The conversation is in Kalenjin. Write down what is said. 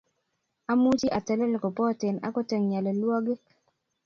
Amuchi atelel kopoten akot eng nyalilwogik